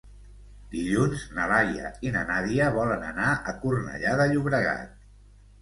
Dilluns na Laia i na Nàdia volen anar a Cornellà de Llobregat.